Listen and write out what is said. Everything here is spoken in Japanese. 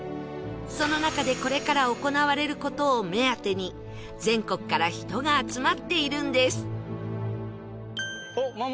その中でこれから行われる事を目当てに全国から人が集まっているんです